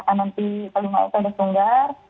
kan nanti kalau mau itu ada sunggar